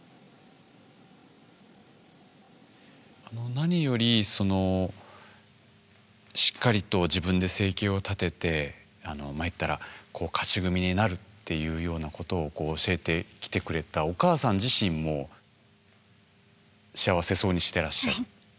何よりそのしっかりと自分で生計を立ててまあ言ったら勝ち組になるっていうようなことを教えてきてくれたお母さん自身も幸せそうにしてらっしゃる。